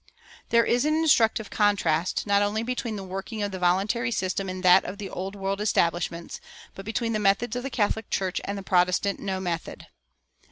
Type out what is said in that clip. There is an instructive contrast, not only between the working of the voluntary system and that of the Old World establishments, but between the methods of the Catholic Church and the Protestant no method.